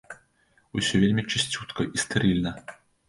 Усё вельмі чысцютка і стэрыльна.